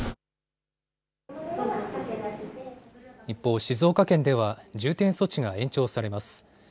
一方、静岡県では重点措置が延長されます。